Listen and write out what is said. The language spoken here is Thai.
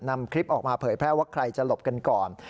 นำคลิปออกมาเผยแพร่ว่าใครจะหลบกันก่อน